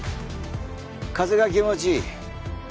風が気持ちいい。